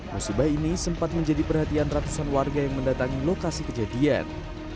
musibah ini sempat menjadi perhatian ratusan warga yang mendatangi lokasi kejadian